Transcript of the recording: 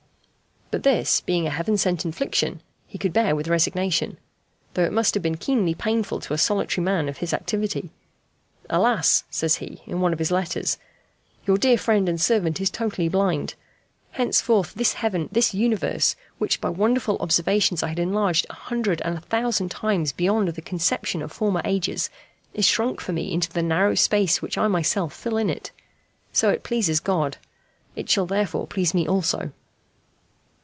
But this, being a heaven sent infliction, he could bear with resignation, though it must have been keenly painful to a solitary man of his activity. "Alas!" says he, in one of his letters, "your dear friend and servant is totally blind. Henceforth this heaven, this universe, which by wonderful observations I had enlarged a hundred and a thousand times beyond the conception of former ages, is shrunk for me into the narrow space which I myself fill in it. So it pleases God; it shall therefore please me also."